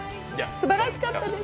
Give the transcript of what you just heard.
すばらしかったです。